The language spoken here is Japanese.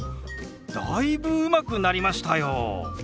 だいぶうまくなりましたよ！